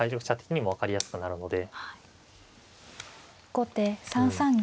後手３三銀。